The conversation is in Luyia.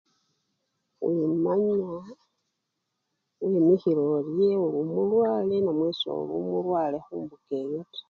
Wimanya wemikhile orye, oli omulwale namwe soli omulwale mumbuka eyo taa.